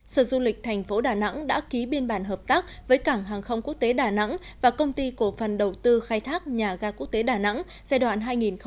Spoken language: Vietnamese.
sở du lịch thành phố đà nẵng đã ký biên bản hợp tác với cảng hàng không quốc tế đà nẵng và công ty cổ phần đầu tư khai thác nhà ga quốc tế đà nẵng giai đoạn hai nghìn một mươi chín hai nghìn hai mươi